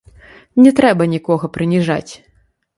Не трэба нікога прыніжаць.